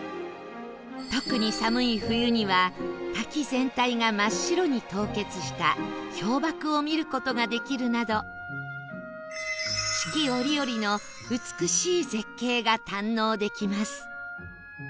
特に寒い冬には滝全体が真っ白に凍結した氷瀑を見る事ができるなど四季折々の美しい絶景が堪能できます